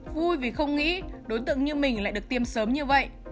vui vì không nghĩ đối tượng như mình lại được tiêm sớm như vậy